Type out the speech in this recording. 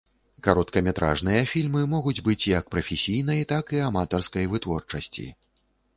Кароткаметражныя фільмы могуць быць як прафесійнай, так і аматарскай вытворчасці.